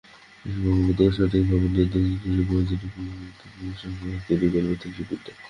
এসব অঙ্গপ্রত্যঙ্গ সঠিকভাবে নিয়ন্ত্রণের জন্য প্রয়োজনীয় বৈদ্যুতিক যন্ত্রাংশও তৈরি করবে থ্রিডি প্রিন্টার।